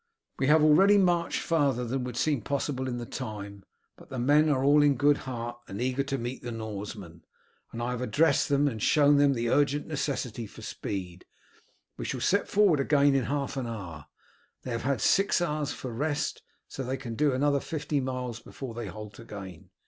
We have already marched farther than would seem possible in the time, but the men are all in good heart and eager to meet the Norsemen, and I have addressed them and shown them the urgent necessity for speed. We shall set forward again in half an hour. They have had six hours for rest, so they can do another fifty miles before they halt again.